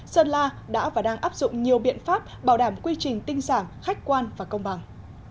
sơn la đã và đang áp dụng nhiều biện pháp bảo đảm quy trình tinh giản khách quan và công bằng